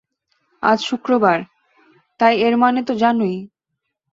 আজ শুক্রবার, তাই এর মানে তো জানোই।